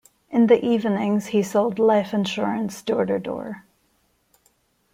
In the evenings, he sold life insurance door-to-door.